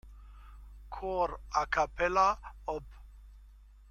Chor a-cappella, Op.